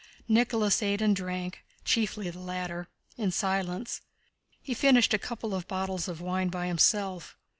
Nicholas ate and drank (chiefly the latter) in silence. He finished a couple of bottles of wine by himself.